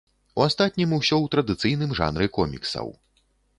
У астатнім усё ў традыцыйным жанры коміксаў.